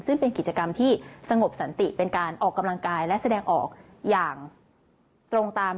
ซึ่งเป็นกิจกรรมที่สงบสันติเป็นการออกกำลังกายและแสดงออกอย่างตรงตาม